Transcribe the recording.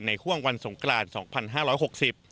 ในห่วงวันสงการประจำปี๒๕๖๐